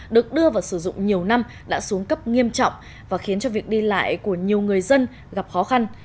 được đưa vào sử dụng nhiều năm đã xuống cấp nghiêm trọng và khiến cho việc đi lại của nhiều người dân gặp khó khăn